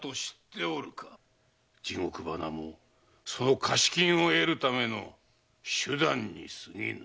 地獄花もその貸し金を得るための手段に過ぎぬ。